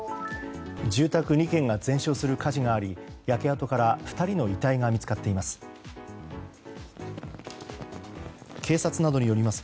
住宅２軒が全焼する火事があり焼け跡から２人の遺体が見つかっています。